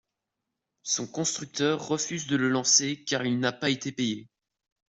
Son constructeur refuse de le lancer car il n'a pas été payé.